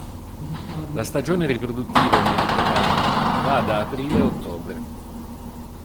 La stagione riproduttiva in Mediterraneo va da aprile a ottobre.